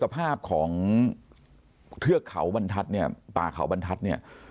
ภาพของเทือกเขาบรรทัศน์เนี่ยป่าเขาบรรทัศน์เนี่ย